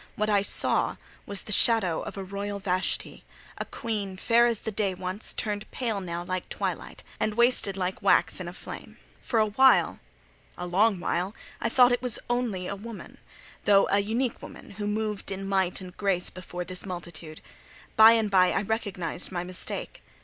What I saw was the shadow of a royal Vashti: a queen, fair as the day once, turned pale now like twilight, and wasted like wax in flame. For awhile—a long while—I thought it was only a woman, though an unique woman, who moved in might and grace before this multitude. By and by I recognised my mistake.